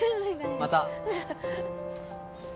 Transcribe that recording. また。